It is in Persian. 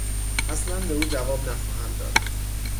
اصلا به او جواب نخواهم داد!